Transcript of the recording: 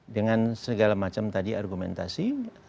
dengan segala macam tadi argumentasi